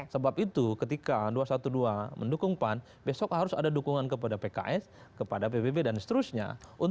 sebab itu ketika dua ratus dua belas mendukung pan besok harus ada dukungan kepada pks kepada pbb dan seterusnya